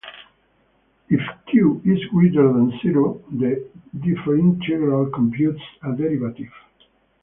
If "q" is greater than zero, the differintegral computes a derivative.